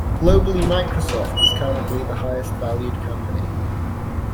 Globally Microsoft is currently the highest valued company.